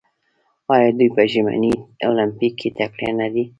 آیا دوی په ژمني المپیک کې تکړه نه دي؟